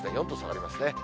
４度下がりますね。